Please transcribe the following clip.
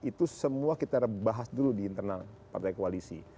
itu semua kita bahas dulu di internal partai koalisi